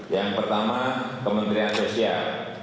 yang pertama kementerian sosial